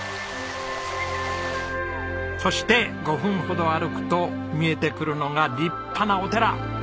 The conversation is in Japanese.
そして５分ほど歩くと見えてくるのが立派なお寺！